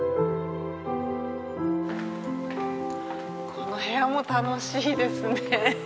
この部屋も楽しいですね。